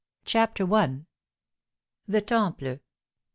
CHAPTER I. THE TEMPLE.